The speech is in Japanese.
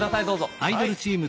どうぞ。